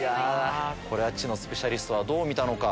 これは知のスペシャリストはどう見たのか。